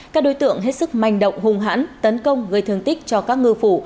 các đối tượng hết sức manh động hùng hãn tấn công gây thương tích cho các ngư phủ